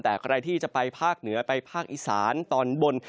แต่ใครที่จะไปภาคเหนือไปภาคอีสานตอนบน